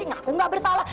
ngapain nggak bersalah